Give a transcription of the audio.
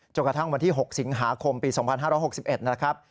กระทั่งวันที่๖สิงหาคมปี๒๕๖๑นะครับ